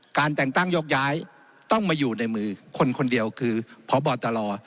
แต่งตั้งยกย้ายต้องมาอยู่ในมือคนคนเดียวคือพบตล